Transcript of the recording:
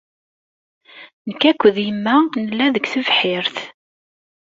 Nekk akked yemma nella deg tebḥirt.